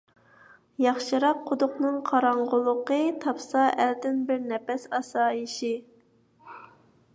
ياخشىراق قۇدۇقنىڭ قاراڭغۇلۇقى، تاپسا ئەلدىن بىر نەپەس ئاسايىشى.